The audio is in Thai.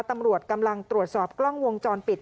ตำรวจกำลังตรวจสอบกล้องวงจรปิด